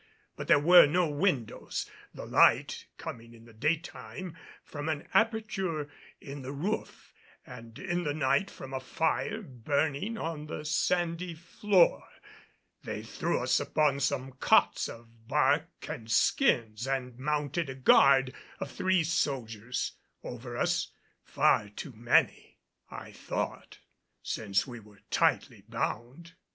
But there were no windows, the light coming in the daytime from an aperture in the roof and in the night from a fire burning on the sandy floor. They threw us upon some cots of bark and skins and mounted a guard of three soldiers over us far too many, I thought, since we were tightly bound.